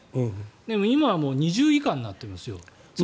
でも今は２０位以下になっていますよ。